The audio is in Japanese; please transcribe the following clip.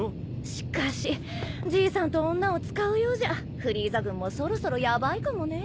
しかしじいさんと女を使うようじゃフリーザ軍もそろそろヤバいかもね。